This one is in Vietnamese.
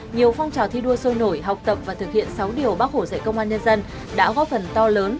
nhiều phong trào thi đua sôi nổi học tập và thực hiện sáu điều bác hổ dạy công an nhân dân đã góp phần to lớn